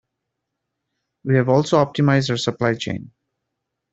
We have also optimised our supply chain.